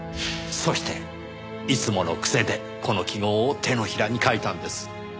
そしていつもの癖でこの記号を手のひらに書いたんです。